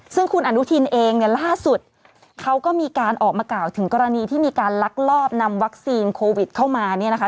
ซึ่งคุณอนุทินเองเนี่ยล่าสุดเขาก็มีการออกมากล่าวถึงกรณีที่มีการลักลอบนำวัคซีนโควิดเข้ามาเนี่ยนะคะ